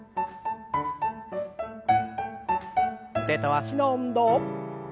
腕と脚の運動。